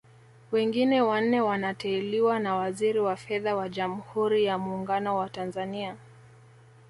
Wengine wanne wanateuliwa na Waziri wa Fedha wa Jamhuri ya Muungano wa Tanzania